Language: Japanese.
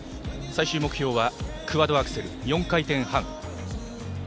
最終目標はクアッドアクセル４回転半。